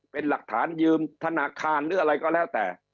เป็นหลักฐานยืมธนาคารหรืออะไรก็แล้วแต่